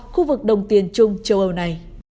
khu vực đồng tiền chung châu âu này